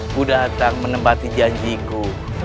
kudatang menempati janjiku